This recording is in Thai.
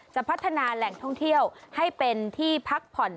จะพัฒนาแหล่งท่องเที่ยวให้เป็นที่พักผ่อน